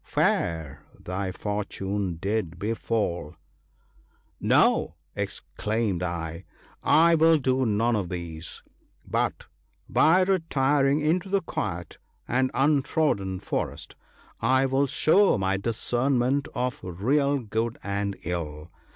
fair thy fortune did befall !"" No !" exclaimed I, " I will do none of these ; but, by retiring into the quiet and untrodden forest, I will show my discernment of real good and ill.